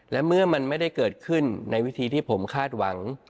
และเมื่อมันไม่ได้เกิดขึ้นในวิธีที่ผมคาดหวัง